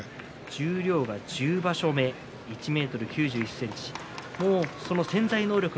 十両が１０場所目１ｍ９１ｃｍ。